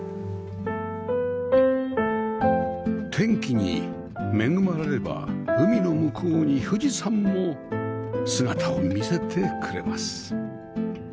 天気に恵まれれば海の向こうに富士山も姿を見せてくれます